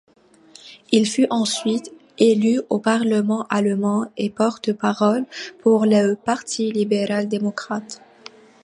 Il fut ensuite élu au parlement allemand et porte-parole pour le parti libéral-démocrate.